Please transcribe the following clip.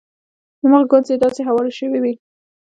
د مخ ګونځې یې داسې هوارې شوې وې.